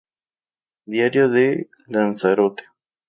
Diario de Lanzarote.